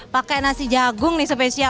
pakai nasi jagung nih spesial